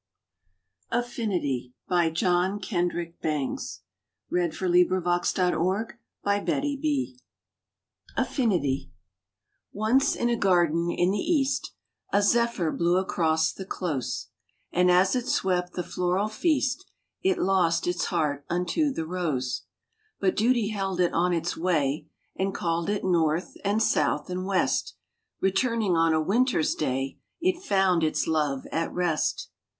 60 ON THINKING GLAD 62 THE ESCAPE 63 TO MELANCHOLY . 64 SONGS OF CHEER AFFINITY ONCE in a garden in the East A zephyr blew across the close, And as it swept the floral feast It lost its heart unto the rose. But duty held it on its way, And called it north, and south, and west Returning on a Winter s day It found its love at rest.